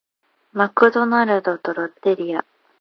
マクドナルドとロッテリア